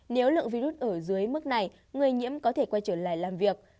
nếu lượng virus ở dưới mức này người nhiễm có thể quay trở lại làm việc